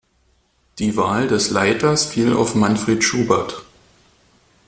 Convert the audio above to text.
Die Wahl des Leiters fiel auf Manfred Schubert.